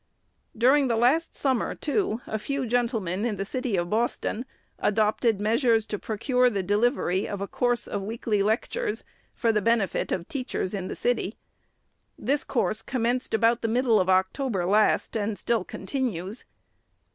During the last summer, too, a few gentlemen in the city of Boston adopted measures to procure the delivery of a course of weekly lectures for the benefit of teachers in the city. This course commenced about the middle of October last, and still continues.